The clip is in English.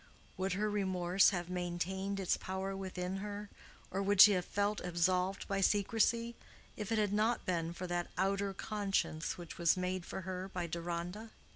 Would her remorse have maintained its power within her, or would she have felt absolved by secrecy, if it had not been for that outer conscience which was made for her by Deronda?